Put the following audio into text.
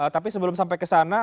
tapi sebelum sampai ke sana